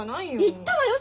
言ったわよ